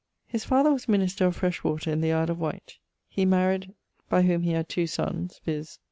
His father was minister of Freshwater in the Isle of Wight. He maried ......, by whom he had two sonnes, viz.